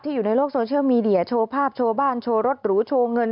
อยู่ในโลกโซเชียลมีเดียโชว์ภาพโชว์บ้านโชว์รถหรูโชว์เงิน